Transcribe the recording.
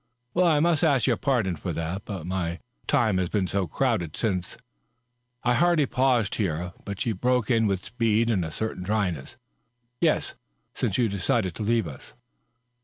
" Well, I must ask your pardon for that ;.. but my time has been ao crowded since ^" I hardly paused here, but she broke in with speed and a certain dryness :" Yes. Since you decided to leave us."